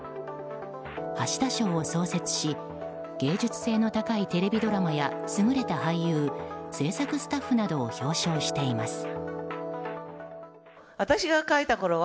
橋田賞を創設し芸術性の高いテレビドラマや優れた俳優、制作スタッフなどを表彰しています。